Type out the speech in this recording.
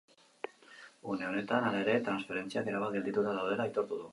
Une honetan, hala ere, transferentziak erabat geldituta daudela aitortu du.